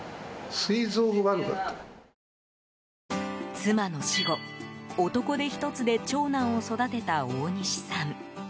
妻の死後、男手一つで長男を育てた大西さん。